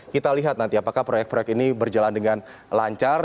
kita lihat nanti apakah proyek proyek ini berjalan dengan lancar